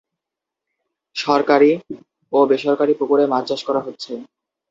সরকারী ও বেসরকারী পুকুরে মাছ চাষ করা হচ্ছে।